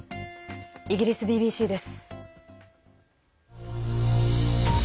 イギリスＢＢＣです。